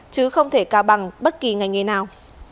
chứ không thể cao bằng bất kỳ ngành nghề nào